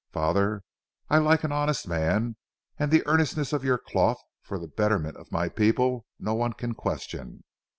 Father, I like an honest man, and the earnestness of your cloth for the betterment of my people no one can question.